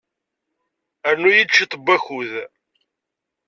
Rnu-iyi-d cwiṭ n wakud.